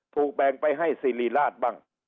ถูกแบ่งไปให้สิริราชบ้าง